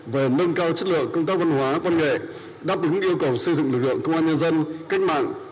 về nâng cao chất lượng công tác văn hóa văn nghệ đáp ứng yêu cầu xây dựng lực lượng công an nhân dân cách mạng